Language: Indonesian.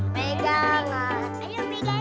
bangku bawa ini